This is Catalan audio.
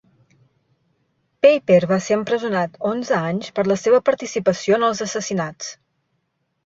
Peiper va ser empresonat onze anys per la seva participació en els assassinats.